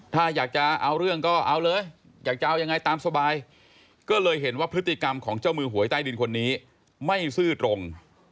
ถ้าอยากจะเอาเรื่องก็เอาเลยอยากจะเอายังไงตามสบายก็เลยเห็นว่าพฤติกรรมของเจ้ามือหวยใต้ดินคนนี้ไม่ซื่อตรง